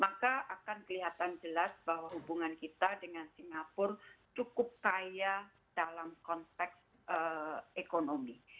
maka akan kelihatan jelas bahwa hubungan kita dengan singapura cukup kaya dalam konteks ekonomi